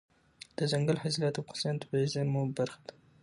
دځنګل حاصلات د افغانستان د طبیعي زیرمو برخه ده.